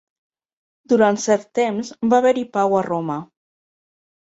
Durant cert temps, va haver-hi pau a Roma.